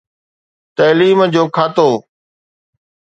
تعليم جو کاتو.